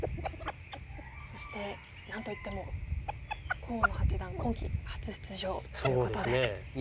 そして何と言っても河野八段今期初出場ということで。